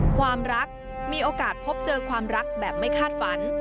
ความรักมีโอกาสพบเจอความรักแบบไม่คาดฝัน